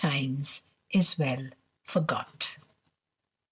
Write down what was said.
3 is well foi^ot."